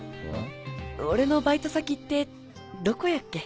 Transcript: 俺のバイト先ってどこやっけ？